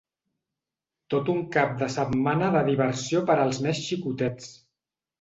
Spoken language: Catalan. Tot un cap de setmana de diversió per als més xicotets.